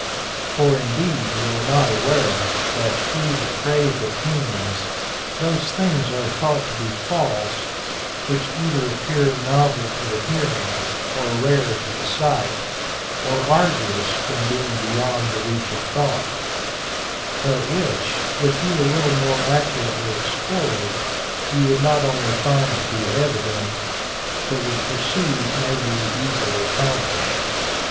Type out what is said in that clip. For, indeed, you are not aware, that through depraved opinions those things are thought to be false, which either appear novel to the hearing, or rare to the sight, or arduous from l)eing beyond the reach of thought; but which, if you a little more accurately explored, you would not only find to be evident, but would perceive may be easily accomplished."